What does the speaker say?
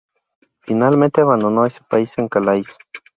Finalmente, abandonó ese país en Calais.